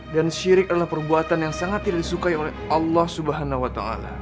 dan syirik adalah perbuatan yang sangat tidak disukai oleh allah swt